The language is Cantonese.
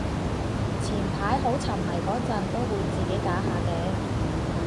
前排好沉迷嗰陣都會自己打下嘅